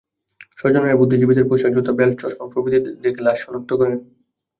স্বজনেরা বুদ্ধিজীবীদের পোশাক, জুতা, বেল্ট, চশমা প্রভৃতি দেখে লাশ শনাক্ত করেন।